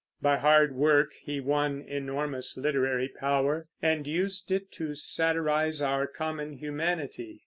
By hard work he won enormous literary power, and used it to satirize our common humanity.